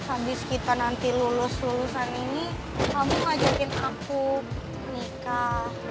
abis kita nanti lulus lulusan ini kamu ngajarin aku nikah